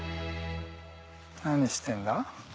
何してんだ？